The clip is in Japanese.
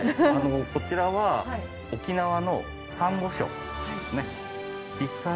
あのこちらは沖縄のサンゴ礁ですね。